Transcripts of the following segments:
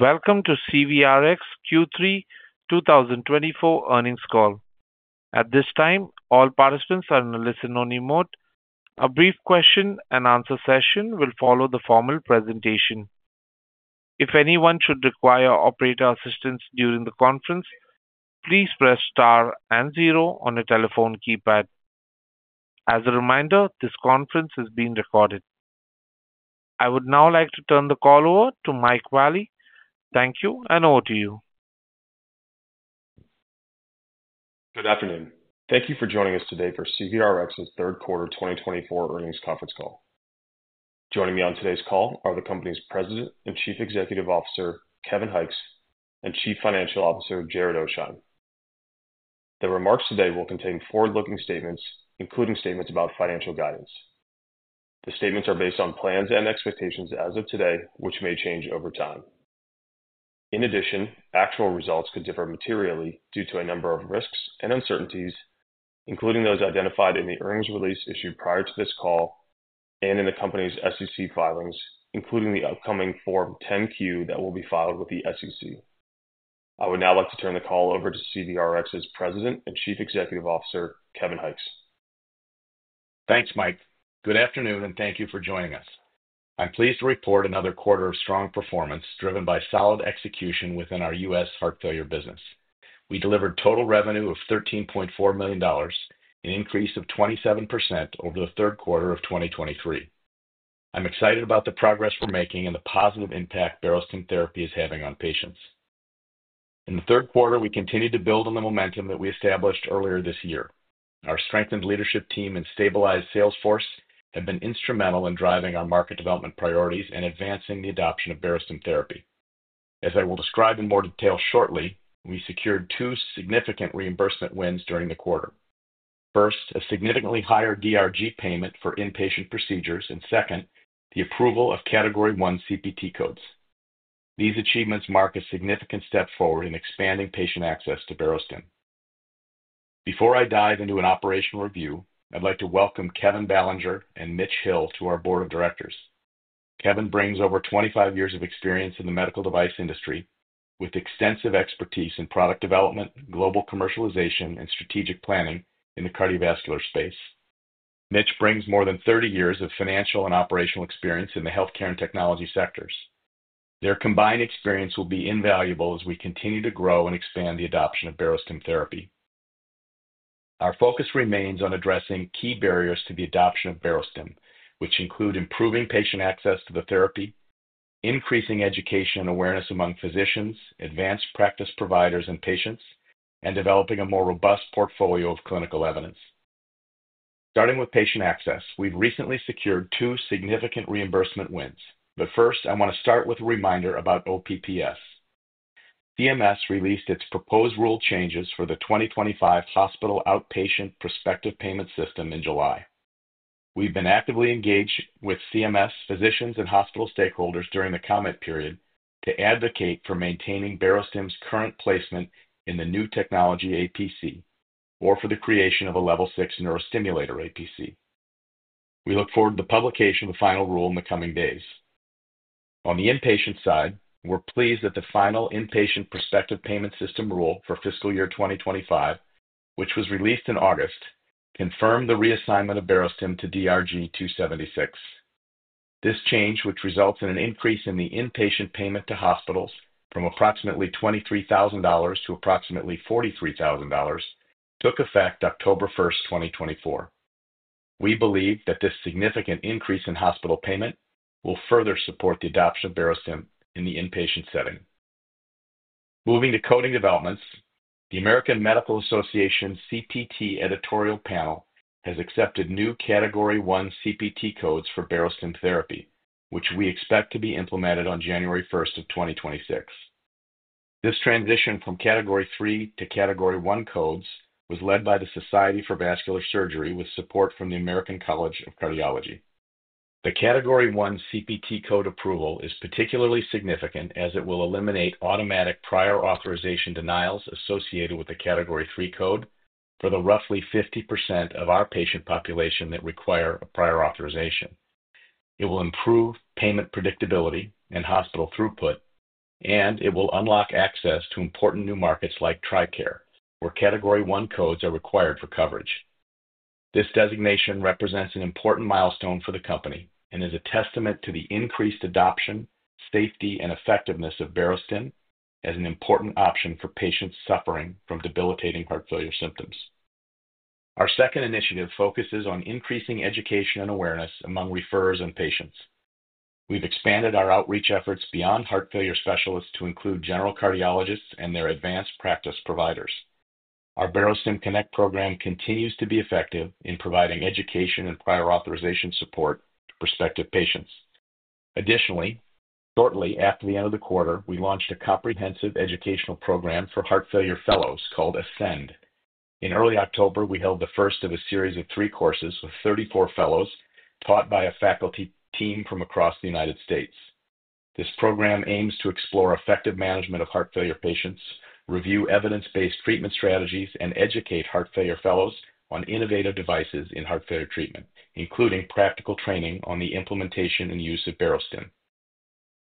Welcome to CVRx Q3 2024 earnings call. At this time, all participants are in a listen-only mode. A brief question-and-answer session will follow the formal presentation. If anyone should require operator assistance during the conference, please press star and zero on your telephone keypad. As a reminder, this conference is being recorded. I would now like to turn the call over to Mike Vallie. Thank you, and over to you. Good afternoon. Thank you for joining us today for CVRx's third quarter 2024 earnings conference call. Joining me on today's call are the company's President and Chief Executive Officer, Kevin Hykes, and Chief Financial Officer, Jared Oasheim. The remarks today will contain forward-looking statements, including statements about financial guidance. The statements are based on plans and expectations as of today, which may change over time. In addition, actual results could differ materially due to a number of risks and uncertainties, including those identified in the earnings release issued prior to this call and in the company's SEC filings, including the upcoming Form 10-Q that will be filed with the SEC. I would now like to turn the call over to CVRx's President and Chief Executive Officer, Kevin Hykes. Thanks, Mike. Good afternoon, and thank you for joining us. I'm pleased to report another quarter of strong performance driven by solid execution within our U.S. heart failure business. We delivered total revenue of $13.4 million, an increase of 27% over the third quarter of 2023. I'm excited about the progress we're making and the positive impact Barostim therapy is having on patients. In the third quarter, we continued to build on the momentum that we established earlier this year. Our strengthened leadership team and stabilized sales force have been instrumental in driving our market development priorities and advancing the adoption of Barostim therapy. As I will describe in more detail shortly, we secured two significant reimbursement wins during the quarter. First, a significantly higher DRG payment for inpatient procedures, and second, the approval of Category 1 CPT codes. These achievements mark a significant step forward in expanding patient access to Barostim. Before I dive into an operational review, I'd like to welcome Kevin Ballinger and Mitch Hill to our board of directors. Kevin brings over 25 years of experience in the medical device industry, with extensive expertise in product development, global commercialization, and strategic planning in the cardiovascular space. Mitch brings more than 30 years of financial and operational experience in the healthcare and technology sectors. Their combined experience will be invaluable as we continue to grow and expand the adoption of Barostim therapy. Our focus remains on addressing key barriers to the adoption of Barostim, which include improving patient access to the therapy, increasing education and awareness among physicians, advanced practice providers and patients, and developing a more robust portfolio of clinical evidence. Starting with patient access, we've recently secured two significant reimbursement wins. But first, I want to start with a reminder about OPPS. CMS released its proposed rule changes for the 2025 Hospital Outpatient Prospective Payment System in July. We've been actively engaged with CMS, physicians, and hospital stakeholders during the comment period to advocate for maintaining Barostim's current placement in the New Technology APC or for the creation of a Level 6 neurostimulator APC. We look forward to the publication of the final rule in the coming days. On the inpatient side, we're pleased that the final Inpatient Prospective Payment System rule for fiscal year 2025, which was released in August, confirmed the reassignment of Barostim to DRG 276. This change, which results in an increase in the inpatient payment to hospitals from approximately $23,000 to approximately $43,000, took effect October 1st, 2024. We believe that this significant increase in hospital payment will further support the adoption of Barostim in the inpatient setting. Moving to coding developments, the American Medical Association CPT editorial panel has accepted new Category 1 CPT codes for Barostim therapy, which we expect to be implemented on January 1st, 2026. This transition from Category 3 to Category 1 codes was led by the Society for Vascular Surgery with support from the American College of Cardiology. The Category 1 CPT code approval is particularly significant as it will eliminate automatic prior authorization denials associated with the Category 3 code for roughly 50% of our patient population that require a prior authorization. It will improve payment predictability and hospital throughput, and it will unlock access to important new markets like TRICARE, where Category 1 codes are required for coverage. This designation represents an important milestone for the company and is a testament to the increased adoption, safety, and effectiveness of Barostim as an important option for patients suffering from debilitating heart failure symptoms. Our second initiative focuses on increasing education and awareness among referrers and patients. We've expanded our outreach efforts beyond heart failure specialists to include general cardiologists and their advanced practice providers. Our Barostim Connect program continues to be effective in providing education and prior authorization support to prospective patients. Additionally, shortly after the end of the quarter, we launched a comprehensive educational program for heart failure fellows called Ascend. In early October, we held the first of a series of three courses with 34 fellows taught by a faculty team from across the United States. This program aims to explore effective management of heart failure patients, review evidence-based treatment strategies, and educate heart failure fellows on innovative devices in heart failure treatment, including practical training on the implementation and use of Barostim.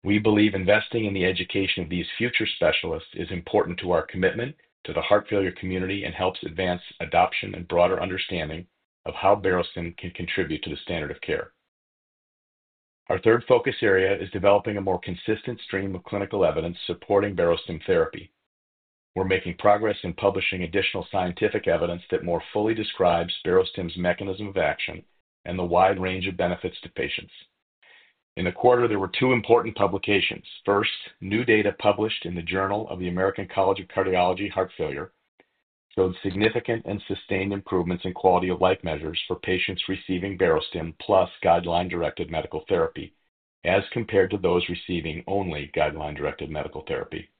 We believe investing in the education of these future specialists is important to our commitment to the heart failure community and helps advance adoption and broader understanding of how Barostim can contribute to the standard of care. Our third focus area is developing a more consistent stream of clinical evidence supporting Barostim therapy. We're making progress in publishing additional scientific evidence that more fully describes Barostim's mechanism of action and the wide range of benefits to patients. In the quarter, there were two important publications. First, new data published in the Journal of the American College of Cardiology Heart Failure showed significant and sustained improvements in quality of life measures for patients receiving Barostim plus guideline-directed medical therapy as compared to those receiving only guideline-directed medical therapy.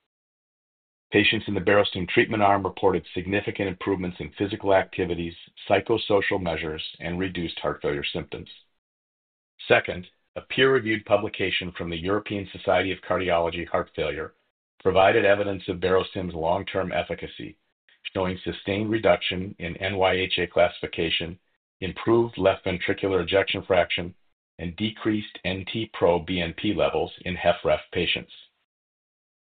Patients in the Barostim treatment arm reported significant improvements in physical activities, psychosocial measures, and reduced heart failure symptoms. Second, a peer-reviewed publication from the European Society of Cardiology Heart Failure provided evidence of Barostim's long-term efficacy, showing sustained reduction in NYHA classification, improved left ventricular ejection fraction, and decreased NT-proBNP levels in HFrEF patients.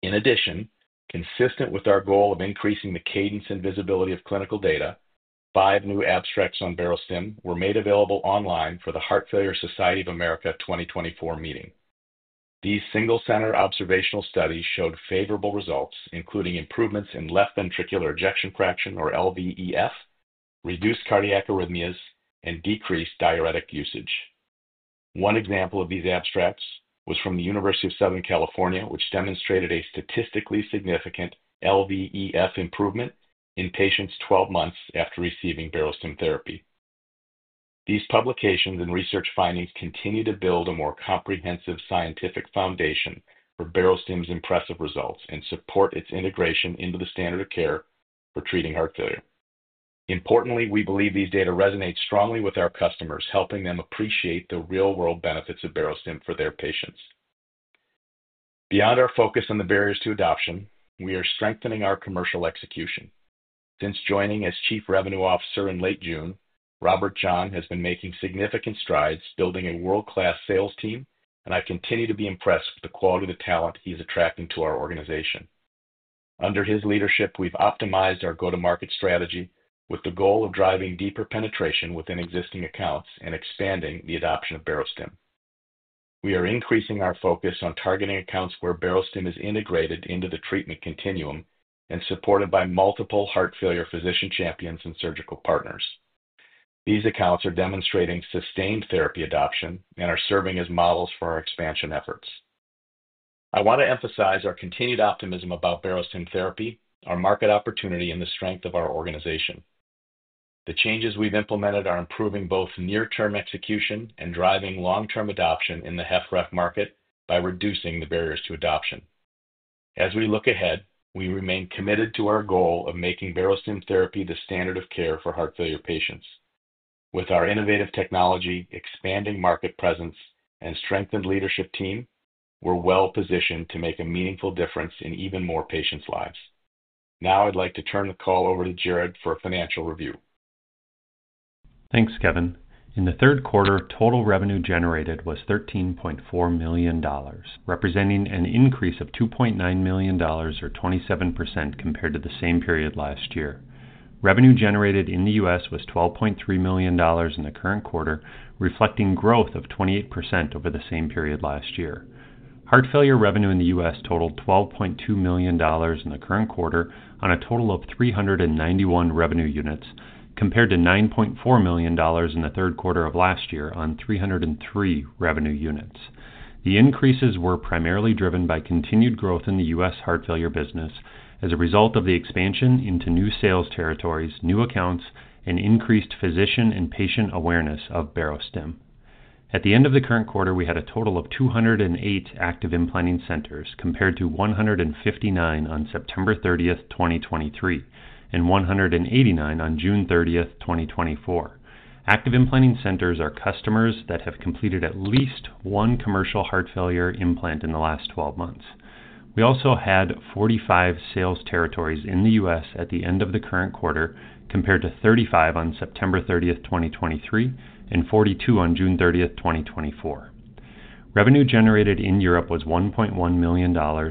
In addition, consistent with our goal of increasing the cadence and visibility of clinical data, five new abstracts on Barostim were made available online for the Heart Failure Society of America 2024 meeting. These single-center observational studies showed favorable results, including improvements in left ventricular ejection fraction, or LVEF, reduced cardiac arrhythmias, and decreased diuretic usage. One example of these abstracts was from the University of Southern California, which demonstrated a statistically significant LVEF improvement in patients 12 months after receiving Barostim therapy. These publications and research findings continue to build a more comprehensive scientific foundation for Barostim's impressive results and support its integration into the standard of care for treating heart failure. Importantly, we believe these data resonate strongly with our customers, helping them appreciate the real-world benefits of Barostim for their patients. Beyond our focus on the barriers to adoption, we are strengthening our commercial execution. Since joining as Chief Revenue Officer in late June, Robert John has been making significant strides building a world-class sales team, and I continue to be impressed with the quality of the talent he's attracting to our organization. Under his leadership, we've optimized our go-to-market strategy with the goal of driving deeper penetration within existing accounts and expanding the adoption of Barostim. We are increasing our focus on targeting accounts where Barostim is integrated into the treatment continuum and supported by multiple heart failure physician champions and surgical partners. These accounts are demonstrating sustained therapy adoption and are serving as models for our expansion efforts. I want to emphasize our continued optimism about Barostim therapy, our market opportunity, and the strength of our organization. The changes we've implemented are improving both near-term execution and driving long-term adoption in the HFrEF market by reducing the barriers to adoption. As we look ahead, we remain committed to our goal of making Barostim therapy the standard of care for heart failure patients. With our innovative technology, expanding market presence, and strengthened leadership team, we're well-positioned to make a meaningful difference in even more patients' lives. Now, I'd like to turn the call over to Jared for a financial review. Thanks, Kevin. In the third quarter, total revenue generated was $13.4 million, representing an increase of $2.9 million, or 27%, compared to the same period last year. Revenue generated in the U.S. was $12.3 million in the current quarter, reflecting growth of 28% over the same period last year. Heart failure revenue in the U.S. totaled $12.2 million in the current quarter on a total of 391 revenue units, compared to $9.4 million in the third quarter of last year on 303 revenue units. The increases were primarily driven by continued growth in the U.S. heart failure business as a result of the expansion into new sales territories, new accounts, and increased physician and patient awareness of Barostim. At the end of the current quarter, we had a total of 208 active implanting centers, compared to 159 on September 30th, 2023, and 189 on June 30th, 2024. Active implanting centers are customers that have completed at least one commercial heart failure implant in the last 12 months. We also had 45 sales territories in the U.S. at the end of the current quarter, compared to 35 on September 30th, 2023, and 42 on June 30th, 2024. Revenue generated in Europe was $1.1 million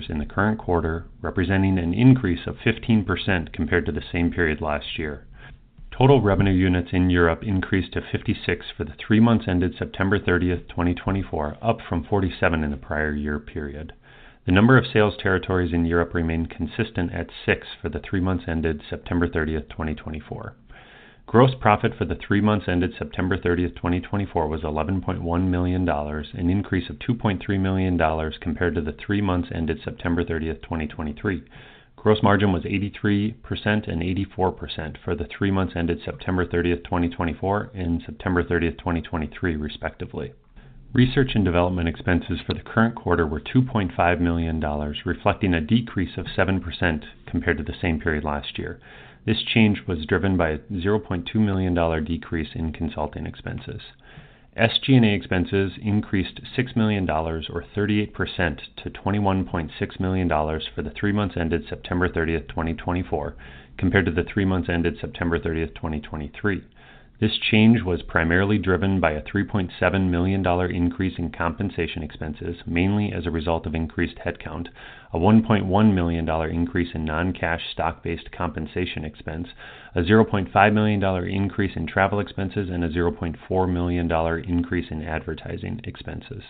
in the current quarter, representing an increase of 15% compared to the same period last year. Total revenue units in Europe increased to 56 for the three months ended September 30th, 2024, up from in the prior year period. The number of sales territories in Europe remained consistent at six for the three months ended September 30th, 2024. Gross profit for the three months ended September 30th, 2024, was $11.1 million, an increase of $2.3 million compared to the three months ended September 30th, 2023. Gross margin was 83% and 84% for the three months ended September 30th, 2024, and September 30th, 2023, respectively. Research and development expenses for the current quarter were $2.5 million, reflecting a decrease of 7% compared to the same period last year. This change was driven by a $0.2 million decrease in consulting expenses. SG&A expenses increased $6 million, or 38%, to $21.6 million for the three months ended September 30th, 2024, compared to the three months ended September 30th, 2023. This change was primarily driven by a $3.7 million increase in compensation expenses, mainly as a result of increased headcount, a $1.1 million increase in non-cash stock-based compensation expense, a $0.5 million increase in travel expenses, and a $0.4 million increase in advertising expenses.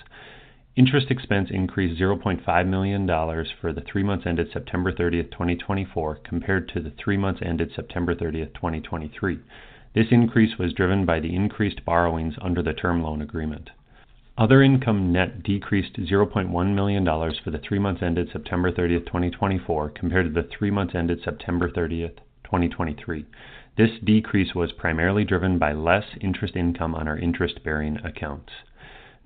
Interest expense increased $0.5 million for the three months ended September 30th, 2024, compared to the three months ended September 30th, 2023. This increase was driven by the increased borrowings under the term loan agreement. Other income net decreased $0.1 million for the three months ended September 30th, 2024, compared to the three months ended September 30th, 2023. This decrease was primarily driven by less interest income on our interest-bearing accounts.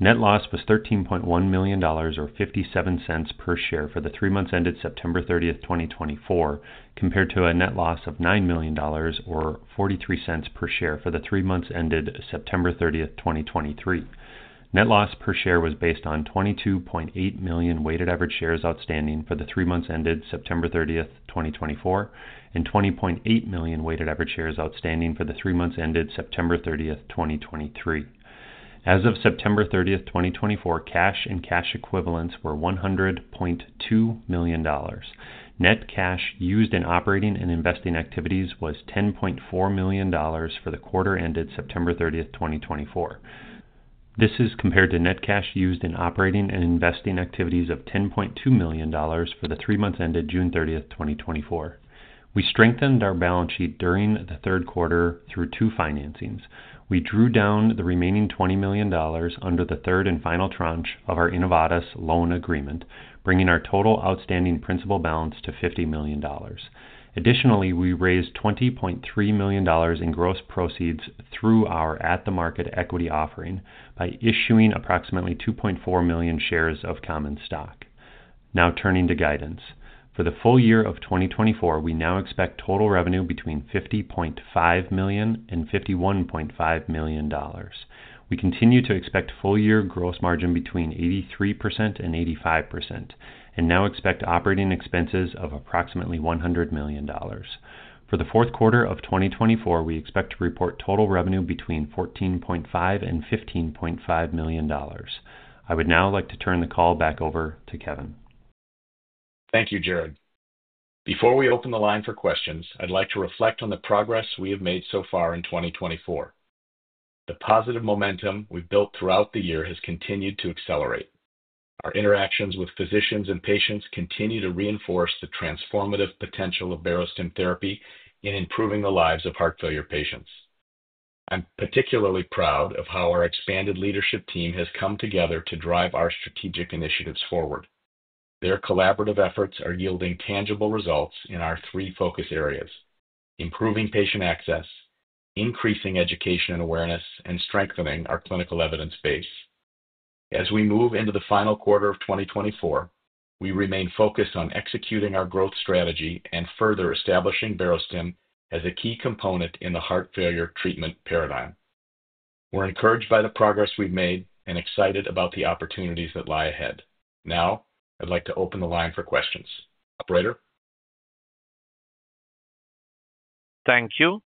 Net loss was $13.1 million, or $0.57 per share for the three months ended September 30th, 2024, compared to a net loss of $9 million, or $0.43 per share for the three months ended September 30th, 2023. Net loss per share was based on 22.8 million weighted average shares outstanding for the three months ended September 30th, 2024, and 20.8 million weighted average shares outstanding for the three months ended September 30th, 2023. As of September 30th, 2024, cash and cash equivalents were $100.2 million. Net cash used in operating and investing activities was $10.4 million for the quarter ended September 30th, 2024. This is compared to net cash used in operating and investing activities of $10.2 million for the three months ended June 30th, 2024. We strengthened our balance sheet during the third quarter through two financings. We drew down the remaining $20 million under the third and final tranche of our Innovatus loan agreement, bringing our total outstanding principal balance to $50 million. Additionally, we raised $20.3 million in gross proceeds through our at-the-market equity offering by issuing approximately 2.4 million shares of common stock. Now turning to guidance. For the full year of 2024, we now expect total revenue between $50.5 million and $51.5 million. We continue to expect full-year gross margin between 83% and 85%, and now expect operating expenses of approximately $100 million. For the fourth quarter of 2024, we expect to report total revenue between $14.5 and $15.5 million. I would now like to turn the call back over to Kevin. Thank you, Jared. Before we open the line for questions, I'd like to reflect on the progress we have made so far in 2024. The positive momentum we've built throughout the year has continued to accelerate. Our interactions with physicians and patients continue to reinforce the transformative potential of Barostim therapy in improving the lives of heart failure patients. I'm particularly proud of how our expanded leadership team has come together to drive our strategic initiatives forward. Their collaborative efforts are yielding tangible results in our three focus areas: improving patient access, increasing education and awareness, and strengthening our clinical evidence base. As we move into the final quarter of 2024, we remain focused on executing our growth strategy and further establishing Barostim as a key component in the heart failure treatment paradigm. We're encouraged by the progress we've made and excited about the opportunities that lie ahead. Now, I'd like to open the line for questions. Operator. Thank you.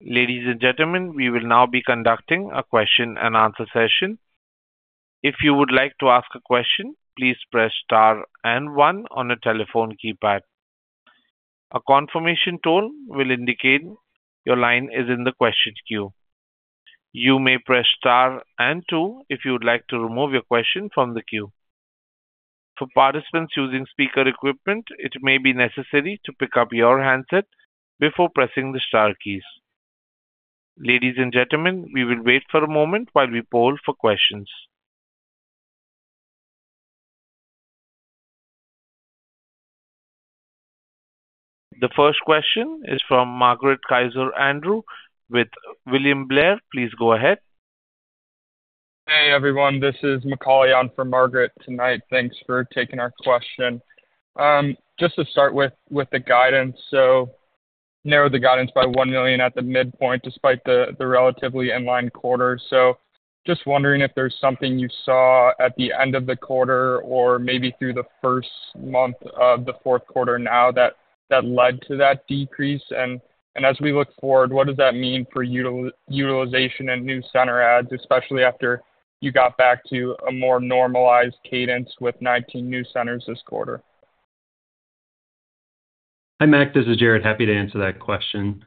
Ladies and gentlemen, we will now be conducting a question-and-answer session. If you would like to ask a question, please press star and one on a telephone keypad. A confirmation tone will indicate your line is in the question queue. You may press star and two if you would like to remove your question from the queue. For participants using speaker equipment, it may be necessary to pick up your handset before pressing the star keys. Ladies and gentlemen, we will wait for a moment while we poll for questions. The first question is from Margaret Kaczor Andrew with William Blair. Please go ahead. Hey, everyone. This is Macauley on for Margaret tonight. Thanks for taking our question. Just to start with the guidance, so narrowed the guidance by $1 million at the midpoint despite the relatively in-line quarter. So just wondering if there's something you saw at the end of the quarter or maybe through the first month of the fourth quarter now that led to that decrease, and as we look forward, what does that mean for utilization and new center adds, especially after you got back to a more normalized cadence with 19 new centers this quarter? Hi, Mike. This is Jared. Happy to answer that question.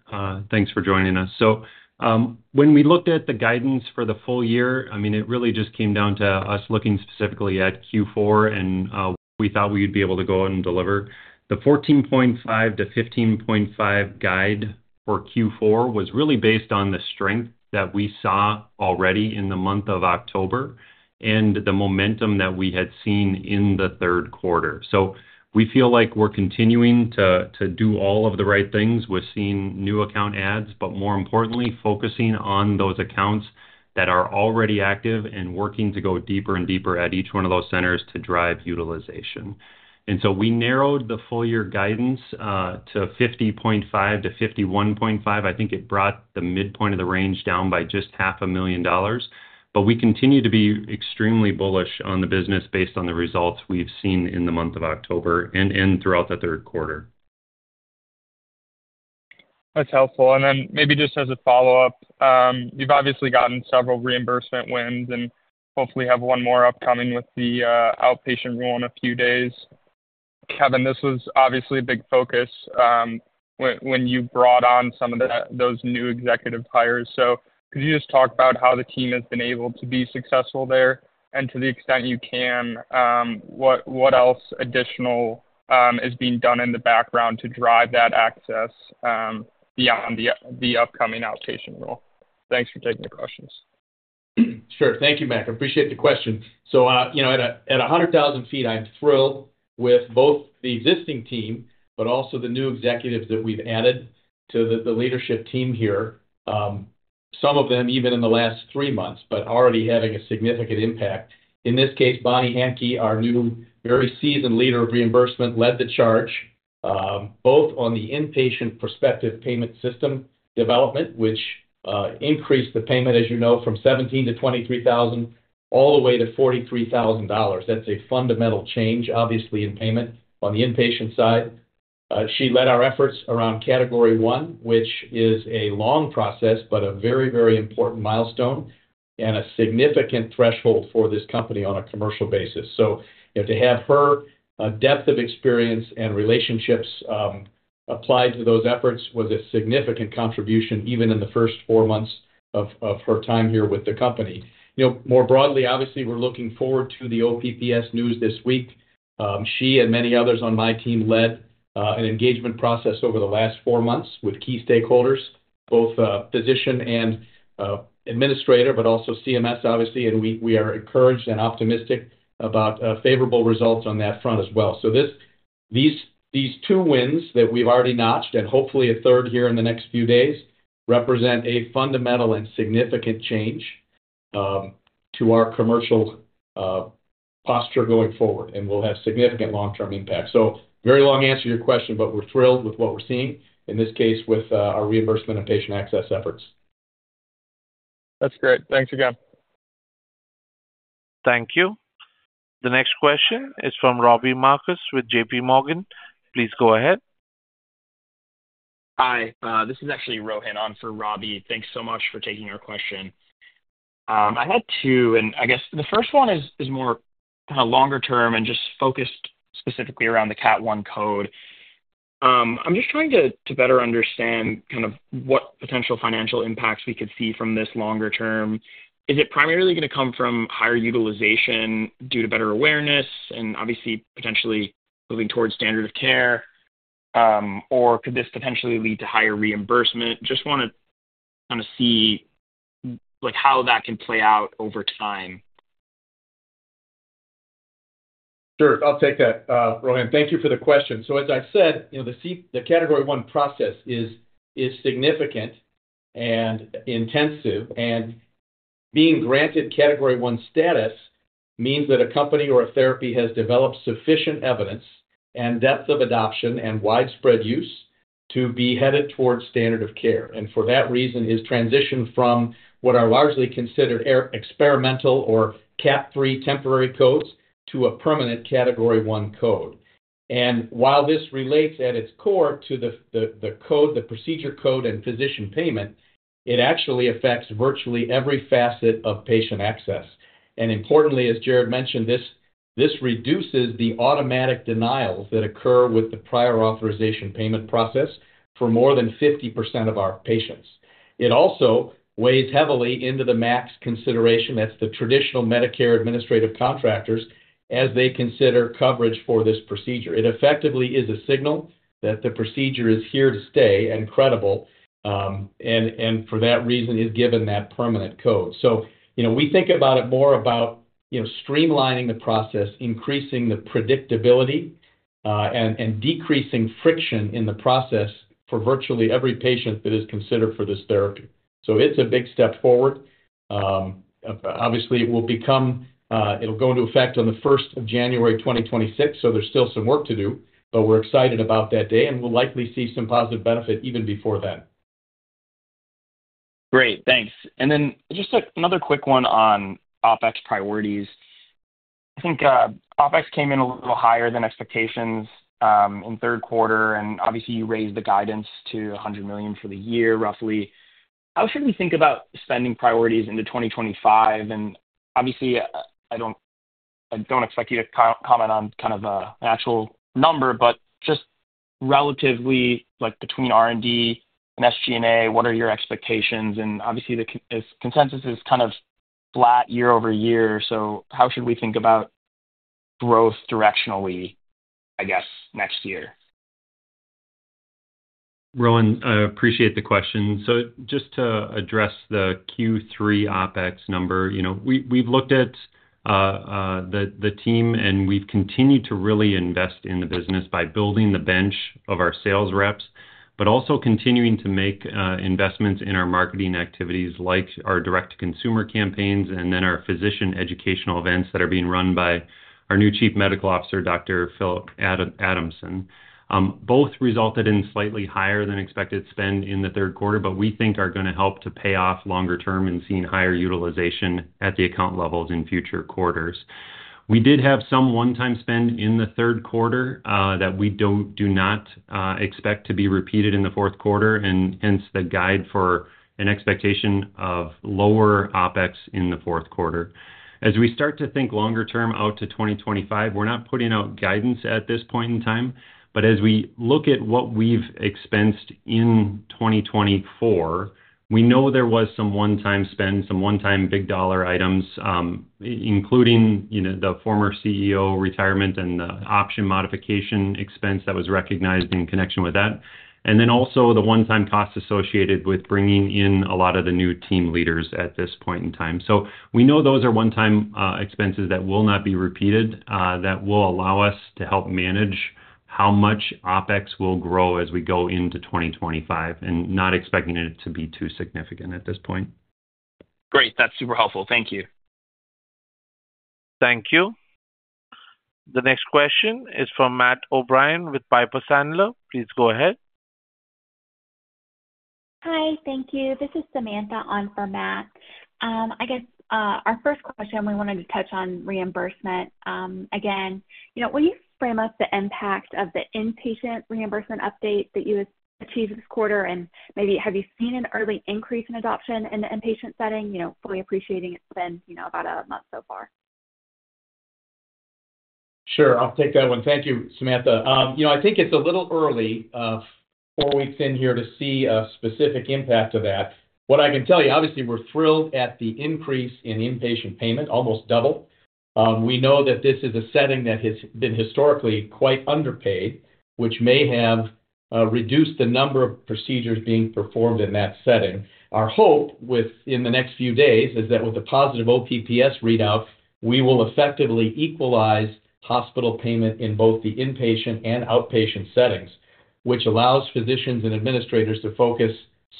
Thanks for joining us. So when we looked at the guidance for the full year, I mean, it really just came down to us looking specifically at Q4 and what we thought we would be able to go out and deliver. The $14.5-$15.5 guide for Q4 was really based on the strength that we saw already in the month of October and the momentum that we had seen in the third quarter. So we feel like we're continuing to do all of the right things. We're seeing new account adds, but more importantly, focusing on those accounts that are already active and working to go deeper and deeper at each one of those centers to drive utilization. And so we narrowed the full-year guidance to $50.5-$51.5. I think it brought the midpoint of the range down by just $500,000. But we continue to be extremely bullish on the business based on the results we've seen in the month of October and throughout the third quarter. That's helpful. And then maybe just as a follow-up, you've obviously gotten several reimbursement wins and hopefully have one more upcoming with the outpatient rule in a few days. Kevin, this was obviously a big focus when you brought on some of those new executive hires. So could you just talk about how the team has been able to be successful there and to the extent you can, what else additional is being done in the background to drive that access beyond the upcoming outpatient rule? Thanks for taking the questions. Sure. Thank you, Mike. I appreciate the question. So at 100,000 ft, I'm thrilled with both the existing team, but also the new executives that we've added to the leadership team here. Some of them even in the last three months, but already having a significant impact. In this case, Bonnie Handke, our new very seasoned leader of reimbursement, led the charge both on the inpatient prospective payment system development, which increased the payment, as you know, from $17,000 to $23,000 all the way to $43,000. That's a fundamental change, obviously, in payment on the inpatient side. She led our efforts around category one, which is a long process, but a very, very important milestone and a significant threshold for this company on a commercial basis. So to have her depth of experience and relationships applied to those efforts was a significant contribution even in the first four months of her time here with the company. More broadly, obviously, we're looking forward to the OPPS news this week. She and many others on my team led an engagement process over the last four months with key stakeholders, both physician and administrator, but also CMS, obviously. And we are encouraged and optimistic about favorable results on that front as well. So these two wins that we've already notched and hopefully a third here in the next few days represent a fundamental and significant change to our commercial posture going forward, and we'll have significant long-term impact. So very long answer to your question, but we're thrilled with what we're seeing in this case with our reimbursement and patient access efforts. That's great. Thanks again. Thank you. The next question is from Robbie Marcus with JPMorgan. Please go ahead. Hi. This is actually Rohin on for Robbie. Thanks so much for taking our question. I had two, and I guess the first one is more kind of longer term and just focused specifically around the Cat 1 code. I'm just trying to better understand kind of what potential financial impacts we could see from this longer term. Is it primarily going to come from higher utilization due to better awareness and obviously potentially moving towards standard of care, or could this potentially lead to higher reimbursement? Just want to kind of see how that can play out over time. Sure. I'll take that. Rohin, thank you for the question. So as I said, the category one process is significant and intensive, and being granted category one status means that a company or a therapy has developed sufficient evidence and depth of adoption and widespread use to be headed towards standard of care. And for that reason, it is transitioned from what are largely considered experimental or Cat 3 temporary codes to a permanent Category 1 code. And while this relates at its core to the code, the procedure code, and physician payment, it actually affects virtually every facet of patient access. And importantly, as Jared mentioned, this reduces the automatic denials that occur with the prior authorization payment process for more than 50% of our patients. It also weighs heavily into the MAC consideration that's the traditional Medicare administrative contractors as they consider coverage for this procedure. It effectively is a signal that the procedure is here to stay and credible, and for that reason, is given that permanent code. So we think about it more about streamlining the process, increasing the predictability, and decreasing friction in the process for virtually every patient that is considered for this therapy. So it's a big step forward. Obviously, it will go into effect on the 1st of January 2026, so there's still some work to do, but we're excited about that day and we'll likely see some positive benefit even before then. Great. Thanks. And then just another quick one on OpEx priorities. I think OpEx came in a little higher than expectations in third quarter, and obviously, you raised the guidance to $100 million for the year, roughly. How should we think about spending priorities into 2025? And obviously, I don't expect you to comment on kind of an actual number, but just relatively between R&D and SG&A, what are your expectations? And obviously, the consensus is kind of flat year-over-year. So how should we think about growth directionally, I guess, next year? Rohin, I appreciate the question. So just to address the Q3 OpEx number, we've looked at the team, and we've continued to really invest in the business by building the bench of our sales reps, but also continuing to make investments in our marketing activities like our direct-to-consumer campaigns and then our physician educational events that are being run by our new Chief Medical Officer, Dr. Philip Adamson. Both resulted in slightly higher than expected spend in the third quarter, but we think are going to help to pay off longer term and seeing higher utilization at the account levels in future quarters. We did have some one-time spend in the third quarter that we do not expect to be repeated in the fourth quarter, and hence the guide for an expectation of lower OpEx in the fourth quarter. As we start to think longer term out to 2025, we're not putting out guidance at this point in time, but as we look at what we've expensed in 2024, we know there was some one-time spend, some one-time big dollar items, including the former CEO retirement and the option modification expense that was recognized in connection with that, and then also the one-time cost associated with bringing in a lot of the new team leaders at this point in time. So we know those are one-time expenses that will not be repeated, that will allow us to help manage how much OpEx will grow as we go into 2025, and not expecting it to be too significant at this point. Great. That's super helpful. Thank you. Thank you. The next question is from Matt O'Brien with Piper Sandler. Please go ahead. Hi. Thank you. This is Samantha on for Matt. I guess our first question, we wanted to touch on reimbursement. Again, will you frame up the impact of the inpatient reimbursement update that you achieved this quarter, and maybe have you seen an early increase in adoption in the inpatient setting, fully appreciating it's been about a month so far? Sure. I'll take that one. Thank you, Samantha. I think it's a little early, four weeks in here, to see a specific impact of that. What I can tell you, obviously, we're thrilled at the increase in inpatient payment, almost doubled. We know that this is a setting that has been historically quite underpaid, which may have reduced the number of procedures being performed in that setting. Our hope in the next few days is that with the positive OPPS readout, we will effectively equalize hospital payment in both the inpatient and outpatient settings, which allows physicians and administrators to focus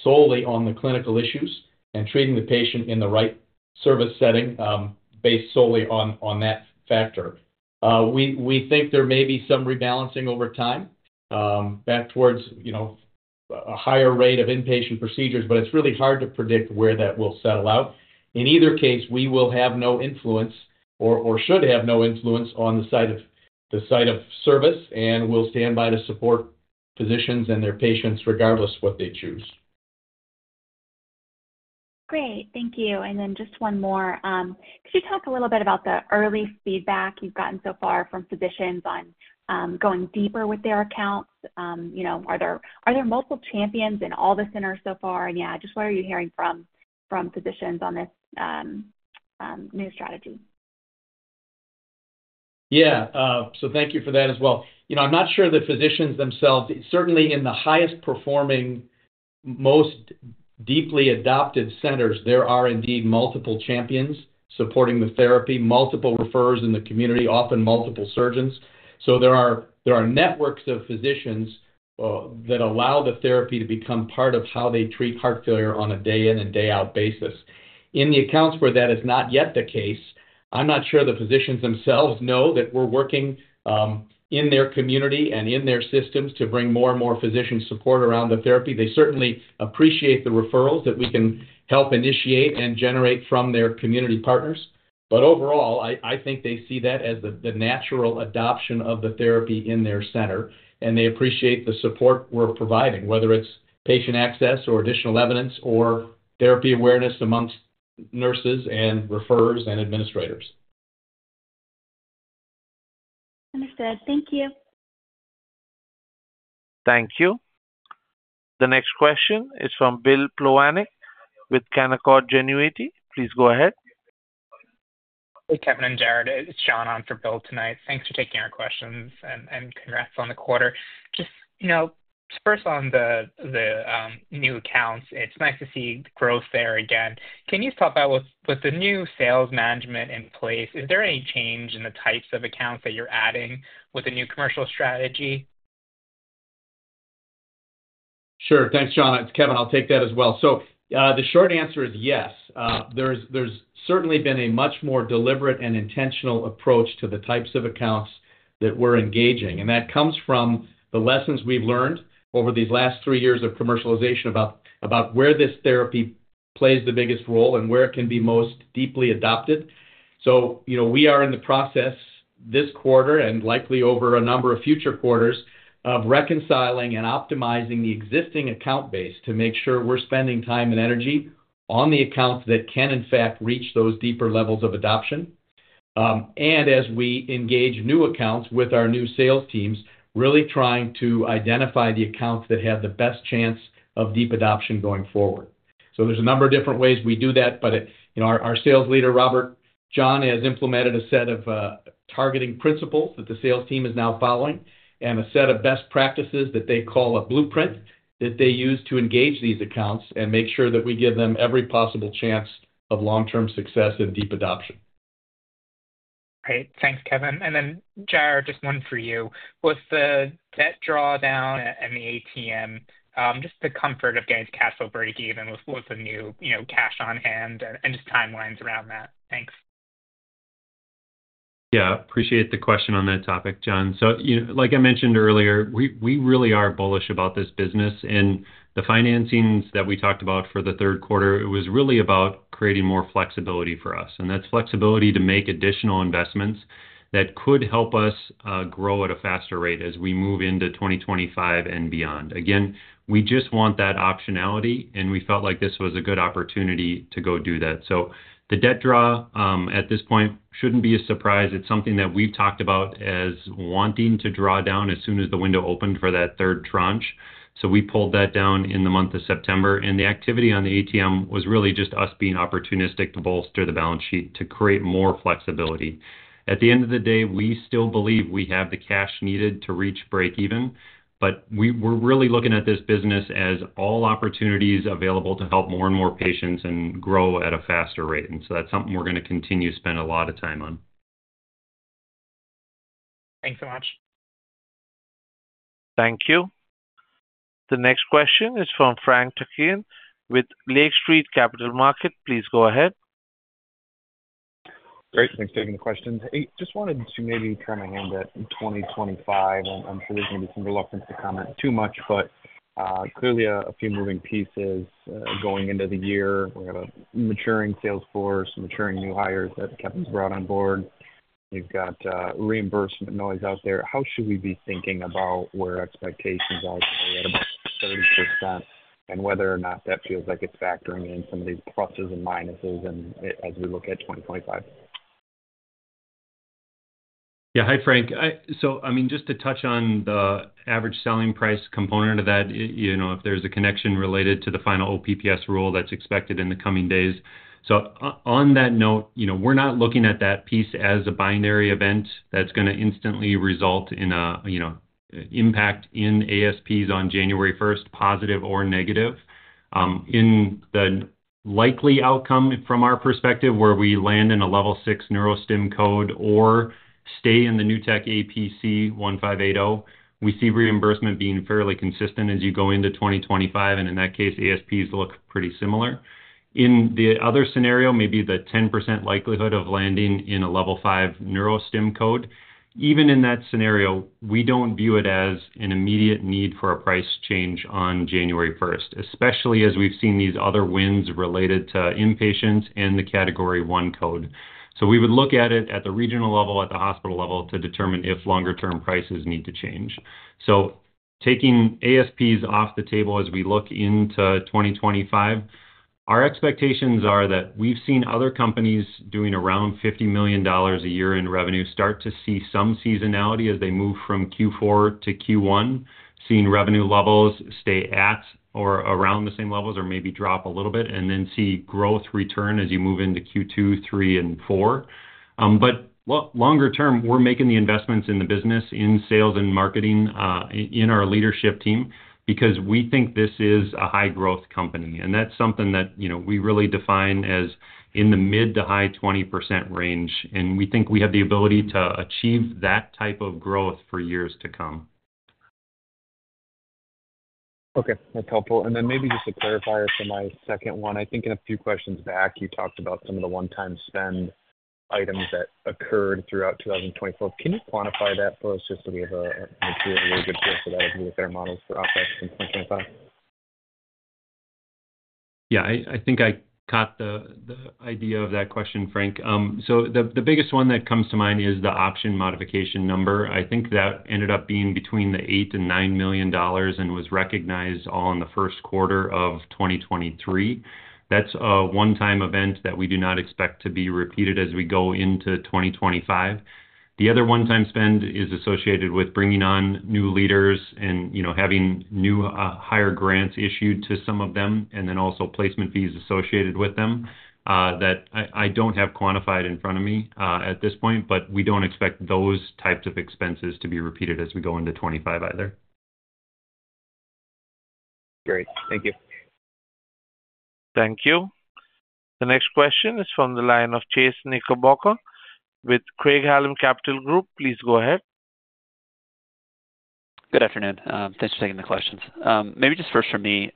solely on the clinical issues and treating the patient in the right service setting based solely on that factor. We think there may be some rebalancing over time back towards a higher rate of inpatient procedures, but it's really hard to predict where that will settle out. In either case, we will have no influence or should have no influence on the side of service, and we'll stand by to support physicians and their patients regardless of what they choose. Great. Thank you. And then just one more. Could you talk a little bit about the early feedback you've gotten so far from physicians on going deeper with their accounts? Are there multiple champions in all the centers so far? And yeah, just what are you hearing from physicians on this new strategy? Yeah. So thank you for that as well. I'm not sure the physicians themselves, certainly in the highest performing, most deeply adopted centers, there are indeed multiple champions supporting the therapy, multiple referrers in the community, often multiple surgeons. So there are networks of physicians that allow the therapy to become part of how they treat heart failure on a day-in and day-out basis. In the accounts where that is not yet the case, I'm not sure the physicians themselves know that we're working in their community and in their systems to bring more and more physician support around the therapy. They certainly appreciate the referrals that we can help initiate and generate from their community partners. But overall, I think they see that as the natural adoption of the therapy in their center, and they appreciate the support we're providing, whether it's patient access or additional evidence or therapy awareness among nurses and referrers and administrators. Understood. Thank you. Thank you. The next question is from Bill Plovanic with Canaccord Genuity. Please go ahead. Hey, Kevin and Jared. It's Sean on for Bill tonight. Thanks for taking our questions and congrats on the quarter. Just first on the new accounts, it's nice to see growth there again. Can you talk about, with the new sales management in place, is there any change in the types of accounts that you're adding with the new commercial strategy? Sure. Thanks, Sean. It's Kevin. I'll take that as well. So the short answer is yes. There's certainly been a much more deliberate and intentional approach to the types of accounts that we're engaging. And that comes from the lessons we've learned over these last three years of commercialization about where this therapy plays the biggest role and where it can be most deeply adopted. So we are in the process this quarter and likely over a number of future quarters of reconciling and optimizing the existing account base to make sure we're spending time and energy on the accounts that can, in fact, reach those deeper levels of adoption. And as we engage new accounts with our new sales teams, really trying to identify the accounts that have the best chance of deep adoption going forward. So there's a number of different ways we do that, but our sales leader, Robert John, has implemented a set of targeting principles that the sales team is now following and a set of best practices that they call a blueprint that they use to engage these accounts and make sure that we give them every possible chance of long-term success and deep adoption. Great. Thanks, Kevin. And then, Jared, just one for you. With the debt drawdown and the ATM, just the comfort of getting to cash flow break-even with the new cash on hand and just timelines around that. Thanks. Yeah. Appreciate the question on that topic, John. So like I mentioned earlier, we really are bullish about this business. And the financings that we talked about for the third quarter, it was really about creating more flexibility for us. And that's flexibility to make additional investments that could help us grow at a faster rate as we move into 2025 and beyond. Again, we just want that optionality, and we felt like this was a good opportunity to go do that. So the debt draw at this point shouldn't be a surprise. It's something that we've talked about as wanting to draw down as soon as the window opened for that third tranche. So we pulled that down in the month of September. And the activity on the ATM was really just us being opportunistic to bolster the balance sheet to create more flexibility. At the end of the day, we still believe we have the cash needed to reach break-even, but we're really looking at this business as all opportunities available to help more and more patients and grow at a faster rate. And so that's something we're going to continue to spend a lot of time on. Thanks so much. Thank you. The next question is from Frank Takkinen with Lake Street Capital Markets. Please go ahead. Great. Thanks for taking the question. Hey, just wanted to maybe try my hand at 2025. I'm sure there's going to be some reluctance to comment too much, but clearly a few moving pieces going into the year. We have a maturing sales force, maturing new hires that Kevin's brought on board. We've got reimbursement noise out there. How should we be thinking about where expectations are today at about 30% and whether or not that feels like it's factoring in some of these pluses and minuses as we look at 2025? Yeah. Hi, Frank. So I mean, just to touch on the average selling price component of that, if there's a connection related to the final OPPS rule that's expected in the coming days. So on that note, we're not looking at that piece as a binary event that's going to instantly result in an impact in ASPs on January 1st, positive or negative. In the likely outcome from our perspective, where we land in a level 6 neurostim code or stay in the New Tech APC 1580, we see reimbursement being fairly consistent as you go into 2025, and in that case, ASPs look pretty similar. In the other scenario, maybe the 10% likelihood of landing in a Level 5 neurostim code. Even in that scenario, we don't view it as an immediate need for a price change on January 1st, especially as we've seen these other wins related to inpatients and the Category 1 code. So we would look at it at the regional level, at the hospital level to determine if longer-term prices need to change. So taking ASPs off the table as we look into 2025, our expectations are that we've seen other companies doing around $50 million a year in revenue start to see some seasonality as they move from Q4 to Q1, seeing revenue levels stay at or around the same levels or maybe drop a little bit, and then see growth return as you move into Q2, 3, and 4. But longer term, we're making the investments in the business, in sales and marketing, in our leadership team because we think this is a high-growth company. That's something that we really define as in the mid-to high 20% range. We think we have the ability to achieve that type of growth for years to come. Okay. That's helpful. And then maybe just a clarifier for my second one. I think in a few questions back, you talked about some of the one-time spend items that occurred throughout 2024. Can you quantify that for us just so we have a material really good deal for that as we look at our models for OpEx in 2025? Yeah. I think I caught the idea of that question, Frank. So the biggest one that comes to mind is the option modification number. I think that ended up being between $8-$9 million and was recognized all in the first quarter of 2023. That's a one-time event that we do not expect to be repeated as we go into 2025. The other one-time spend is associated with bringing on new leaders and having new hire grants issued to some of them, and then also placement fees associated with them that I don't have quantified in front of me at this point, but we don't expect those types of expenses to be repeated as we go into 2025 either. Great. Thank you. Thank you. The next question is from the line of Chase Knickerbocker with Craig-Hallum Capital Group. Please go ahead. Good afternoon. Thanks for taking the questions. Maybe just first for me,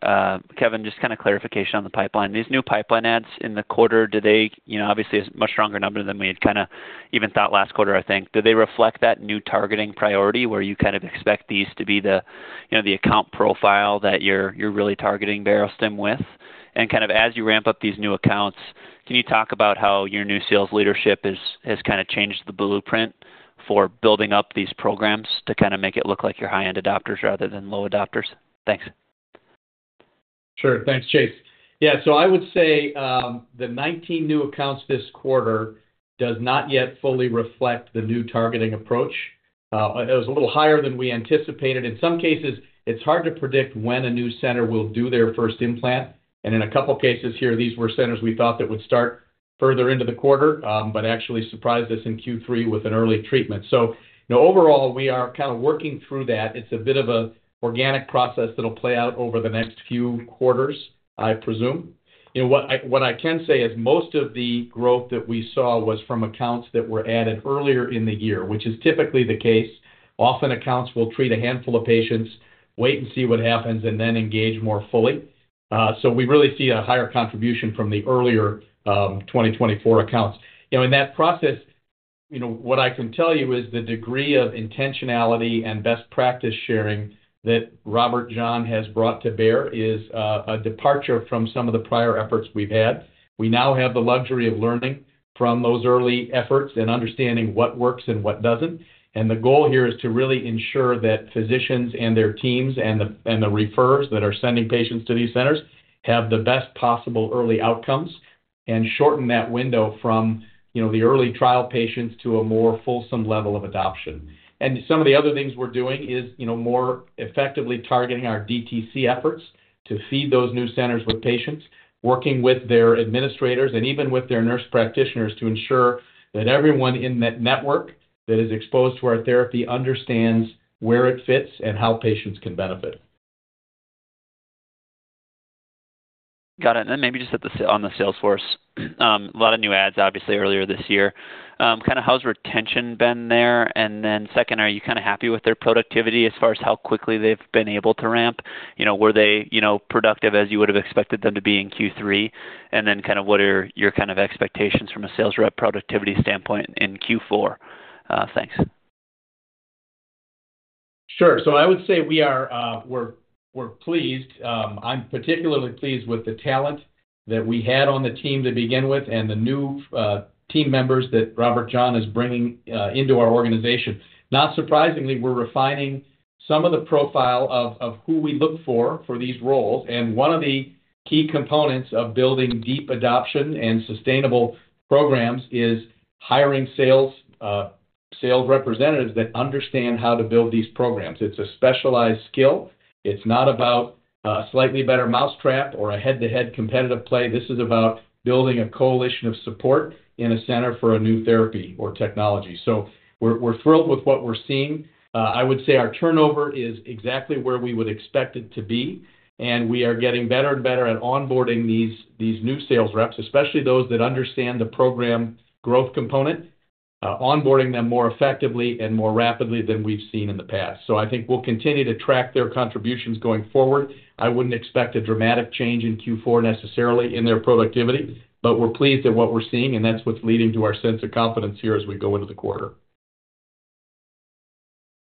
Kevin, just kind of clarification on the pipeline. These new pipeline adds in the quarter, obviously, a much stronger number than we had kind of even thought last quarter, I think. Do they reflect that new targeting priority where you kind of expect these to be the account profile that you're really targeting Barostim with? And kind of as you ramp up these new accounts, can you talk about how your new sales leadership has kind of changed the blueprint for building up these programs to kind of make it look like you're high-end adopters rather than low adopters? Thanks. Sure. Thanks, Chase. Yeah. So I would say the 19 new accounts this quarter does not yet fully reflect the new targeting approach. It was a little higher than we anticipated. In some cases, it's hard to predict when a new center will do their first implant. And in a couple of cases here, these were centers we thought that would start further into the quarter but actually surprised us in Q3 with an early treatment. So overall, we are kind of working through that. It's a bit of an organic process that will play out over the next few quarters, I presume. What I can say is most of the growth that we saw was from accounts that were added earlier in the year, which is typically the case. Often, accounts will treat a handful of patients, wait and see what happens, and then engage more fully. So we really see a higher contribution from the earlier 2024 accounts. In that process, what I can tell you is the degree of intentionality and best practice sharing that Robert John has brought to bear is a departure from some of the prior efforts we've had. We now have the luxury of learning from those early efforts and understanding what works and what doesn't. And the goal here is to really ensure that physicians and their teams and the refers that are sending patients to these centers have the best possible early outcomes and shorten that window from the early trial patients to a more fulsome level of adoption. Some of the other things we're doing is more effectively targeting our DTC efforts to feed those new centers with patients, working with their administrators and even with their nurse practitioners to ensure that everyone in that network that is exposed to our therapy understands where it fits and how patients can benefit. Got it. And then maybe just on the sales force, a lot of new adds, obviously, earlier this year. Kind of how's retention been there? And then second, are you kind of happy with their productivity as far as how quickly they've been able to ramp? Were they productive as you would have expected them to be in Q3? And then kind of what are your kind of expectations from a sales rep productivity standpoint in Q4? Thanks. Sure. So I would say we're pleased. I'm particularly pleased with the talent that we had on the team to begin with and the new team members that Robert John is bringing into our organization. Not surprisingly, we're refining some of the profile of who we look for these roles, and one of the key components of building deep adoption and sustainable programs is hiring sales representatives that understand how to build these programs. It's a specialized skill. It's not about a slightly better mousetrap or a head-to-head competitive play. This is about building a coalition of support in a center for a new therapy or technology. So we're thrilled with what we're seeing. I would say our turnover is exactly where we would expect it to be. And we are getting better and better at onboarding these new sales reps, especially those that understand the program growth component, onboarding them more effectively and more rapidly than we've seen in the past. So I think we'll continue to track their contributions going forward. I wouldn't expect a dramatic change in Q4 necessarily in their productivity, but we're pleased at what we're seeing, and that's what's leading to our sense of confidence here as we go into the quarter.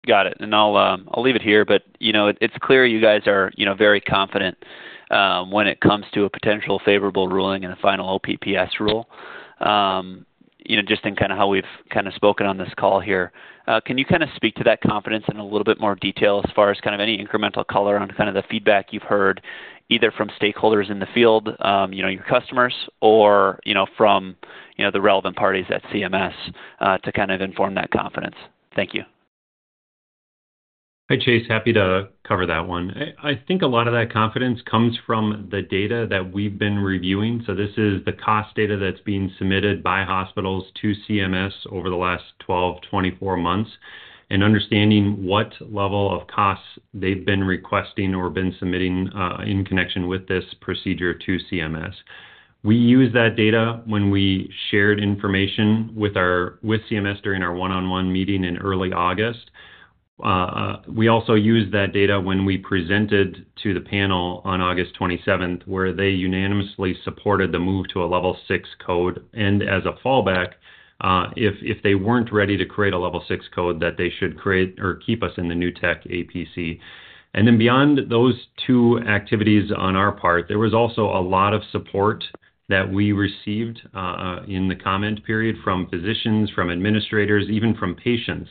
Got it. And I'll leave it here, but it's clear you guys are very confident when it comes to a potential favorable ruling and a final OPPS rule. Just in kind of how we've kind of spoken on this call here, can you kind of speak to that confidence in a little bit more detail as far as kind of any incremental color on kind of the feedback you've heard either from stakeholders in the field, your customers, or from the relevant parties at CMS to kind of inform that confidence? Thank you. Hey, Chase. Happy to cover that one. I think a lot of that confidence comes from the data that we've been reviewing. So this is the cost data that's being submitted by hospitals to CMS over the last 12, 24 months and understanding what level of costs they've been requesting or been submitting in connection with this procedure to CMS. We used that data when we shared information with CMS during our one-on-one meeting in early August. We also used that data when we presented to the panel on August 27th, where they unanimously supported the move to a level 6 code, and as a fallback, if they weren't ready to create a level 6 code, that they should create or keep us in the new tech APC. And then beyond those two activities on our part, there was also a lot of support that we received in the comment period from physicians, from administrators, even from patients.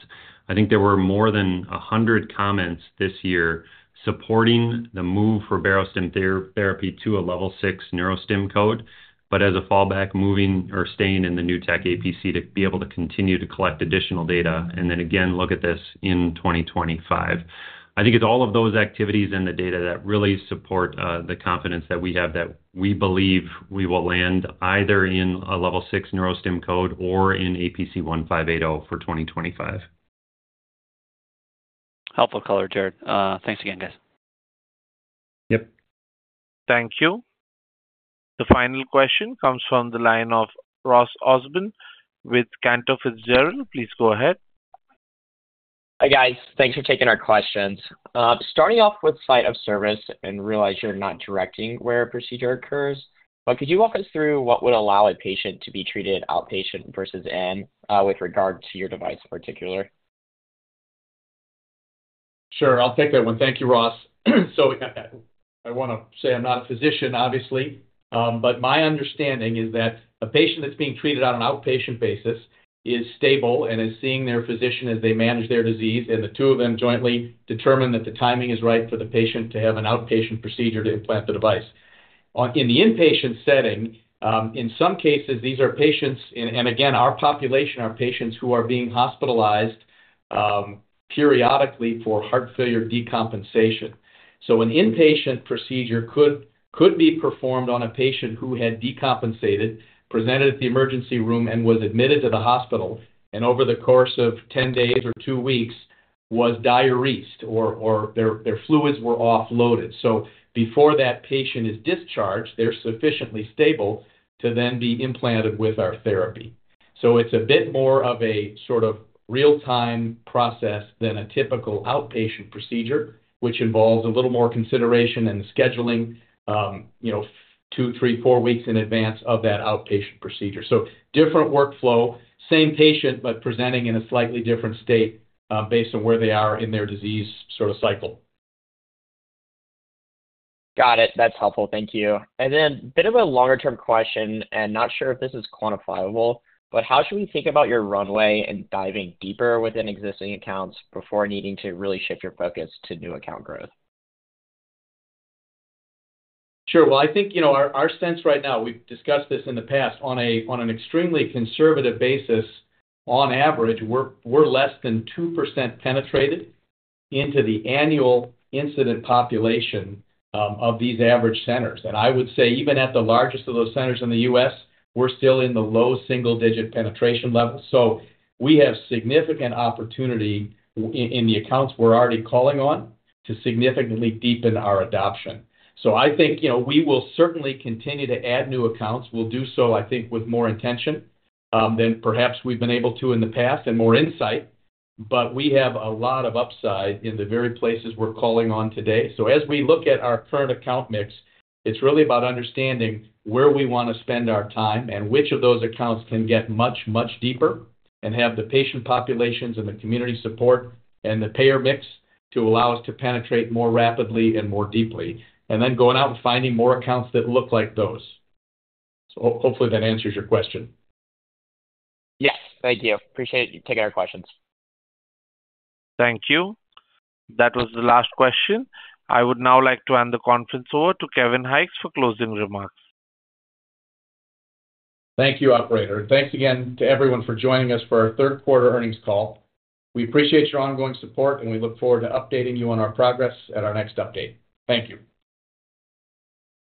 I think there were more than 100 comments this year supporting the move for Barostim therapy to a level 6 neurostim code, but as a fallback, moving or staying in the new tech APC to be able to continue to collect additional data and then again look at this in 2025. I think it's all of those activities and the data that really support the confidence that we have that we believe we will land either in a level 6 neurostim code or in APC 1580 for 2025. Helpful color, Jared. Thanks again, guys. Yep. Thank you. The final question comes from the line of Ross Osborn with Cantor Fitzgerald. Please go ahead. Hi, guys. Thanks for taking our questions. Starting off with site of service, and realize you're not directing where a procedure occurs, but could you walk us through what would allow a patient to be treated outpatient versus in with regard to your device in particular? Sure. I'll take that one. Thank you, Ross. I want to say I'm not a physician, obviously, but my understanding is that a patient that's being treated on an outpatient basis is stable and is seeing their physician as they manage their disease, and the two of them jointly determine that the timing is right for the patient to have an outpatient procedure to implant the device. In the inpatient setting, in some cases, these are patients and again, our population are patients who are being hospitalized periodically for heart failure decompensation. An inpatient procedure could be performed on a patient who had decompensated, presented at the emergency room, and was admitted to the hospital, and over the course of 10 days or two weeks was diuresed or their fluids were offloaded. Before that patient is discharged, they're sufficiently stable to then be implanted with our therapy. So it's a bit more of a sort of real-time process than a typical outpatient procedure, which involves a little more consideration and scheduling two, three, four weeks in advance of that outpatient procedure. So different workflow, same patient, but presenting in a slightly different state based on where they are in their disease sort of cycle. Got it. That's helpful. Thank you. And then a bit of a longer-term question, and not sure if this is quantifiable, but how should we think about your runway and diving deeper within existing accounts before needing to really shift your focus to new account growth? Sure. Well, I think our sense right now, we've discussed this in the past, on an extremely conservative basis, on average, we're less than 2% penetrated into the annual incident population of these average centers. And I would say even at the largest of those centers in the U.S., we're still in the low single-digit penetration level. So we have significant opportunity in the accounts we're already calling on to significantly deepen our adoption. So I think we will certainly continue to add new accounts. We'll do so, I think, with more intention than perhaps we've been able to in the past and more insight. But we have a lot of upside in the very places we're calling on today. So as we look at our current account mix, it's really about understanding where we want to spend our time and which of those accounts can get much, much deeper and have the patient populations and the community support and the payer mix to allow us to penetrate more rapidly and more deeply, and then going out and finding more accounts that look like those. So hopefully that answers your question. Yes. Thank you. Appreciate you taking our questions. Thank you. That was the last question. I would now like to hand the conference over to Kevin Hykes for closing remarks. Thank you, operator. Thanks again to everyone for joining us for our third quarter earnings call. We appreciate your ongoing support, and we look forward to updating you on our progress at our next update. Thank you.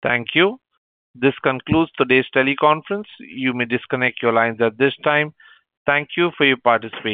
Thank you. This concludes today's teleconference. You may disconnect your lines at this time. Thank you for your participation.